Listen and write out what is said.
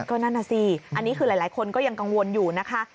ก็นั่นน่ะสิอันนี้คือหลายคนก็ยังกังวลอยู่นะคะ